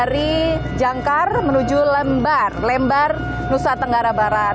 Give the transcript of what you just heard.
dari jangkar menuju lembar lembar nusa tenggara barat